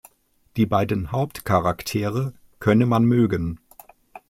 Die beiden Hauptcharaktere könne man mögen.